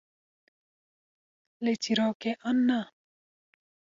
Lê çîrok e, an na?